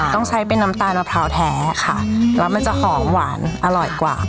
ต้องใช้เป็นน้ำตาลมะพร้าวแท้ค่ะแล้วมันจะหอมหวานอร่อยกว่า